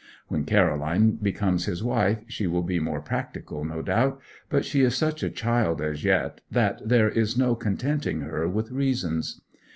When Caroline becomes his wife she will be more practical, no doubt; but she is such a child as yet that there is no contenting her with reasons.